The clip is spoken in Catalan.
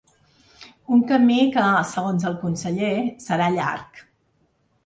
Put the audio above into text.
Un camí que, segons el conseller, serà llarg.